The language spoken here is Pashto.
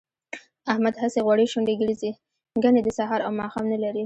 احمد هسې غوړې شونډې ګرځي، ګني د سهار او ماښام نه لري